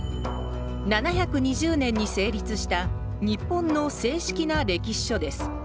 ７２０年に成立した日本の正式な歴史書です。